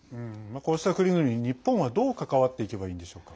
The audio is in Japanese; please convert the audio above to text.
こうした国々に日本は、どう関わっていけばいいんでしょうか？